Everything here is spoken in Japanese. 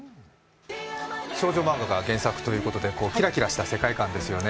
少女漫画が原作ということでキラキラした世界観ですよね。